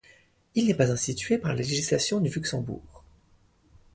Il n'est pas institué par la législation du Luxembourg.